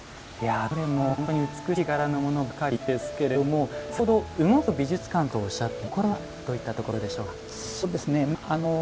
どれも本当に美しい柄のものばかりですが先ほど「動く美術館」とおっしゃっていましたがその心はどういったところでしょうか。